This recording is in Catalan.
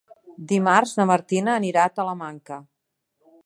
Dimarts na Martina anirà a Talamanca.